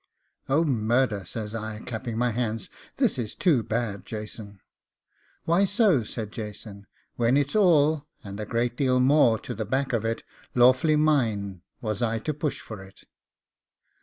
'Oh, murder!' says I, clapping my hands; 'this is too bad, Jason.' 'Why so?' said Jason. 'When it's all, and a great deal more to the back of it, lawfully mine, was I to push for it.